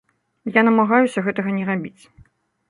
Я намагаюся гэтага не рабіць.